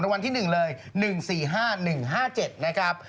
วันที่๑เลย๑๔๕๑๕๗นะครับ